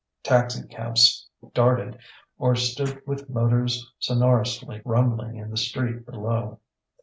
Taxicabs darted or stood with motors sonorously rumbling in the street below.